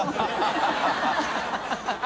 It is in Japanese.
ハハハ